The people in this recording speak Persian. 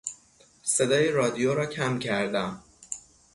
صدای رادیو را کم کردم.